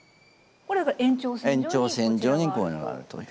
延長線上にこういうのがあるという。